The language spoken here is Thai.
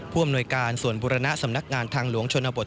อำนวยการส่วนบุรณะสำนักงานทางหลวงชนบท